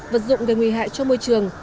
vật dụng gây nguy hại cho môi trường